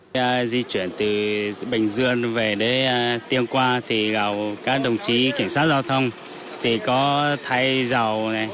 khi di chuyển từ bình dương về đến tiên quang thì các đồng chí cảnh sát giao thông có thay dầu